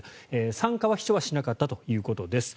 参加は秘書はしなかったということです。